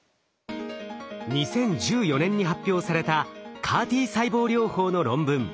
２０１４年に発表されたＣＡＲ−Ｔ細胞療法の論文。